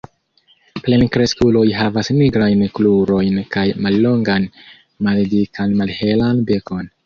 Plenkreskuloj havas nigrajn krurojn kaj mallongan maldikan malhelan bekon.